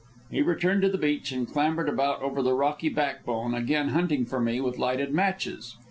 He returned to the beach and clambered about over the rocky backbone, again hunting for me with lighted matches.